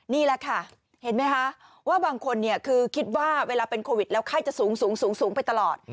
นี่แหละค่ะเห็นไหมคะว่าบางคนคือคิดว่าเวลาเป็นโควิดแล้วไข้จะสูงสูงไปตลอด